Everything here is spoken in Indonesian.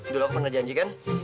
dulu aku pernah janji kan